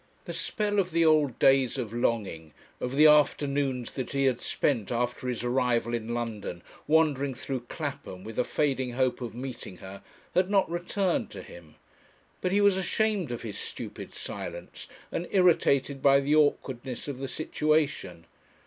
The spell of the old days of longing, of the afternoons that he had spent after his arrival in London, wandering through Clapham with a fading hope of meeting her, had not returned to him. But he was ashamed of his stupid silence, and irritated by the awkwardness of the situation.